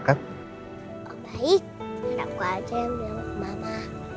harap gua aja yang bilang ke mama